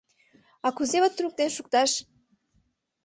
А кузе вот туныктен шукташ?